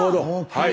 はい！